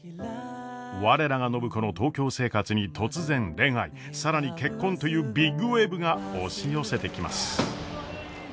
我らが暢子の東京生活に突然恋愛更に結婚というビッグウエーブが押し寄せてきます。